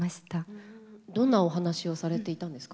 どんなお話をされていたんですか？